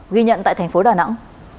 ghi nhận tại thành phố đà nẵng